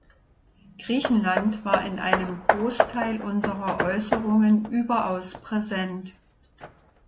Griechenland war in einem Großteil unserer Äußerungen überaus präsent.